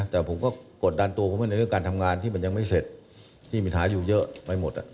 แต่ผมก็กดดันตัวผมไว้ในเรื่องการทำงานที่มันยังไม่เสร็จที่มีปัญหาอยู่เยอะไม่หมด